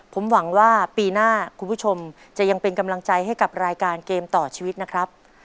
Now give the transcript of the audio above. ผมหวังว่าปีหน้าคุณผู้ชมจะยังเป็นกำลังใจให้กับรายการเกมต่อชีวิตนะครับ